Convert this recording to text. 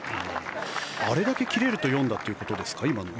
あれだけ切れると読んだということですか？